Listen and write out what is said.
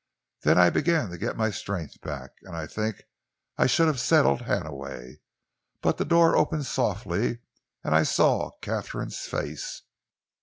Then I began to get my strength back, and I think I should have settled Hannaway, but the door opened softly and I saw Katharine's face.